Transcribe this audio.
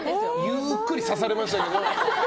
ゆっくり刺されましたけど。